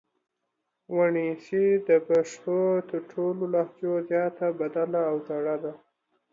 وڼېڅي د پښتو تر ټولو لهجو زیاته بدله او زړه ده